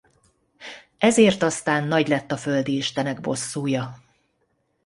Ezért aztán nagy lett a földi istenek bosszúja.